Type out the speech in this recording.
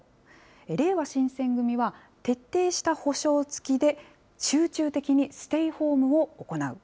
れいわ新選組は、徹底した補償付きで、集中的にステイホームを行う。